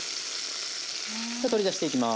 取り出していきます。